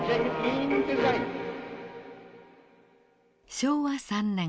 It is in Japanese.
昭和３年。